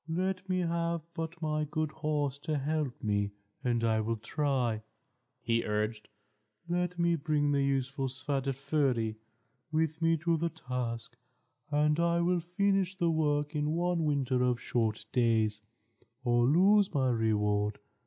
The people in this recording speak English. "Let me have but my good horse to help me, and I will try," he urged. "Let me bring the useful Svadilföri with me to the task, and I will finish the work in one winter of short days, or lose my reward.